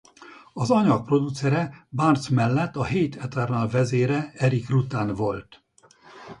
Az anyag producere Barnes mellett a Hate Eternal vezére Erik Rutan volt.